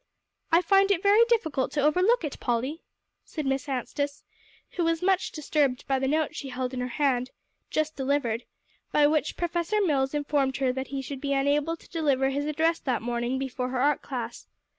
"I find it very difficult to overlook it, Polly," said Miss Anstice, who was much disturbed by the note she held in her hand, just delivered, by which Professor Mills informed her he should be unable to deliver his address that morning before her art class.